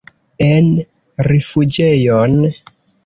En rifuĝejon?